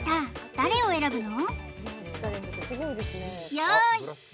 誰を選ぶの？